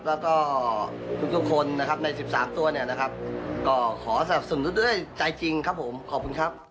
ก็ขอสรรพสนุนด้วยใจจริงครับผมขอบคุณครับ